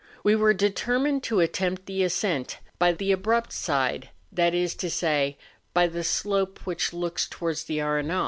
We were determined to attempt the ascent by the abrupt side; that is to say, by the slope which looks towards the Arenal.